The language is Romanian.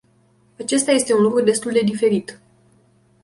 Acesta este un lucru destul de diferit.